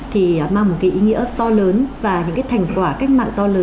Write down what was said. thì mang một cái ý nghĩa to lớn và những cái thành quả cách mạng to lớn